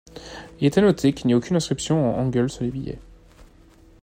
Il est à noter qu'il n'y a aucune inscription en hangeul sur les billets.